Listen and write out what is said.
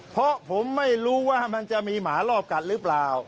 เพราะผมไม่รู้ว่ามันจะมีหมารอบกัดหรือเปล่า